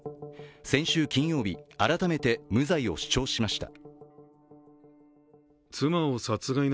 先週金曜日、改めて無罪を主張しました。